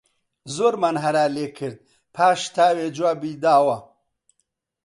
زۆرمان هەرا لێ کرد، پاش تاوێ جوابی داوە